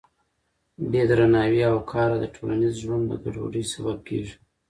بې درناوي او قهر د ټولنیز ژوند د ګډوډۍ سبب کېږي.